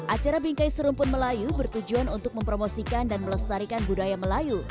acara bingkai serumpun melayu bertujuan untuk mempromosikan dan melestarikan budaya melayu